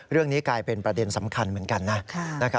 เรื่องนี้กลายเป็นประเด็นสำคัญเหมือนกันนะ